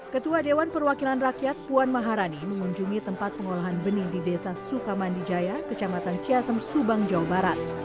ketua dewan perwakilan rakyat puan maharani mengunjungi tempat pengolahan benih di desa sukamandijaya kecamatan kiasem subang jawa barat